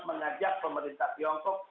mengajak pemerintah tiongkok